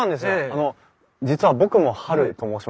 あの実は僕もハルと申しまして。